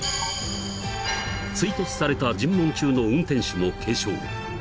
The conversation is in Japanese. ［追突された尋問中の運転手も軽傷］